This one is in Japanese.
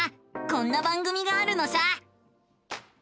こんな番組があるのさ！